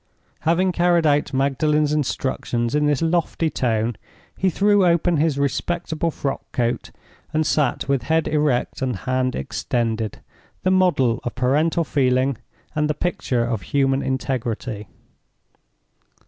Having carried out Magdalen's instructions in this lofty tone, he threw open his respectable frockcoat, and sat with head erect and hand extended, the model of parental feeling and the picture of human integrity.